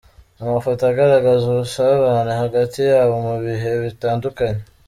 Amafoto agaragaza ubusabane hagati yabo mu bihe bitandukanye